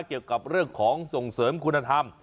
เกี่ยวกับเรื่องของส่งเสริมคุณธรรม